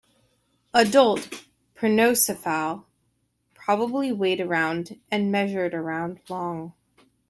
Adult "Prenocephale" probably weighed around and measured around long.